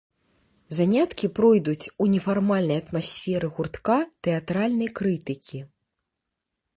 Заняткі пройдуць у нефармальнай атмасферы гуртка тэатральнай крытыкі.